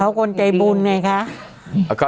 เขาคนใจบุญไงคะ